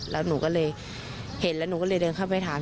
แล้วหนูก็เลยเห็นแล้วหนูก็เลยเดินเข้าไปถาม